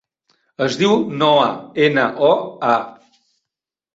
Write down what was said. Es diu Noa: ena, o, a.